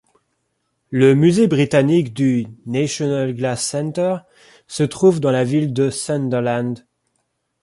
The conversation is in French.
Le musée britannique du National Glass Centre se trouve dans la ville de Sunderland.